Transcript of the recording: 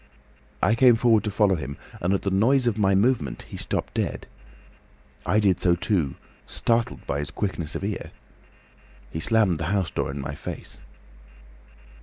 "I came forward to follow him, and at the noise of my movement he stopped dead. I did so too, startled by his quickness of ear. He slammed the house door in my face.